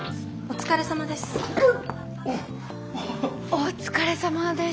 お疲れさまです。